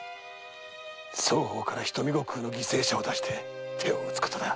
双方から人身御供の犠牲者を出して手を打つことだ。